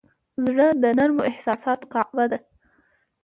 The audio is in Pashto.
زړه د نرمو احساساتو کعبه ده.